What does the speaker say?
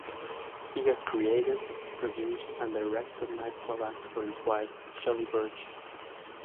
He has created, produced and directed night club acts for his wife, Shelly Burch.